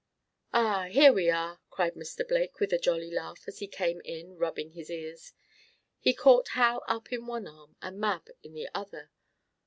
"Ah, here we are!" cried Mr. Blake, with a jolly laugh, as he came in rubbing his ears. He caught Hal up in one arm, and Mab in the other.